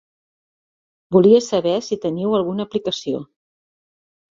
Volia saber si teniu alguna aplicació?